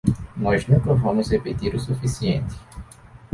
Nós nunca vamos repetir o suficiente.